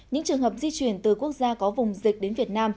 những trường hợp di chuyển từ quốc gia có vùng dịch đến việt nam